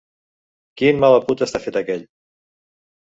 Quin mala puta està fet aquell!